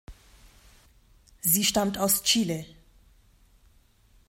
Sie stammt aus Chile.